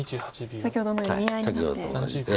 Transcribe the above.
先ほどのように見合いになって。